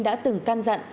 đã từng can dặn